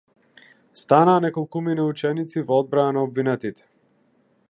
Станаа неколкумина ученици во одбрана на обвинетите.